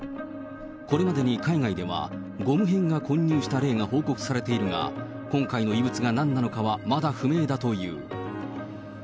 これまでに海外では、ゴム片が混入した例が報告されているが、今回の異物がなんなのかはまだ不明だという。